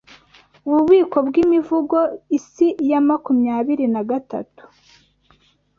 Ububiko bw'Imivugo Isi ya makumyabiri nagatatu